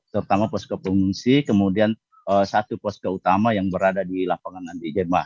pertama posko pelunsi kemudian satu posko utama yang berada di lapangan andi jemba